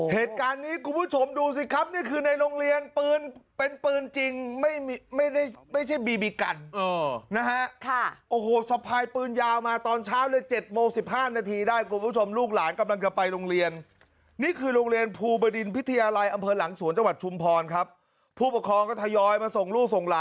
เหตุการณ์นี้คุณผู้ชมดูสิครับนี่คือในโรงเรียนปืนเป็นปืนจริงไม่ได้ไม่ใช่บีบีกันนะฮะค่ะโอ้โหสะพายปืนยาวมาตอนเช้าเลย๗โมง๑๕นาทีได้คุณผู้ชมลูกหลานกำลังจะไปโรงเรียนนี่คือโรงเรียนภูบดินพิทยาลัยอำเภอหลังสวนจังหวัดชุมพรครับผู้ปกครองก็ทยอยมาส่งลูกส่งหลาน